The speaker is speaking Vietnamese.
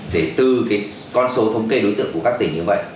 để từ cái con số thống kê đối tượng của các tỉnh như vậy